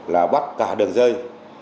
là bắt cả đường dây